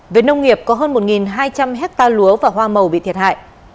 về nông nghiệp có hơn một hai trăm linh hectare lúa và hoa màu bị thiệt hại